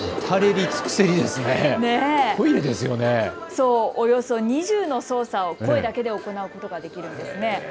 およそ２０の操作を声だけで行うことができるんです。